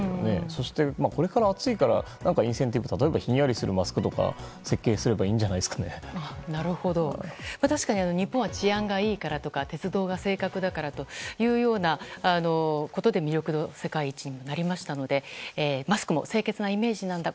そして、これから暑いから何かインセンティブ例えばひんやりするマスクとかを設計すれば確かに日本は治安がいいからとか鉄道が正確だからというようなことで魅力度世界一になりましたのでマスクも清潔なイメージなんだ